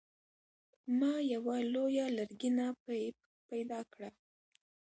ما یوه لویه لرګینه پیپ پیدا کړه.